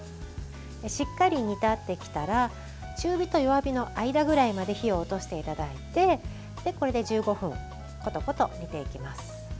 しっかり煮立ってきたら中火と弱火の間ぐらいまで火を落としていただいてこれで１５分コトコト煮ていきます。